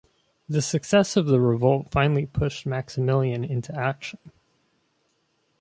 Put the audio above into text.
The success of the revolt finally pushed Maximilian into action.